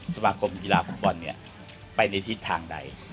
สมาคมกีฬาฝุ่นบอลไปในทิศทางใด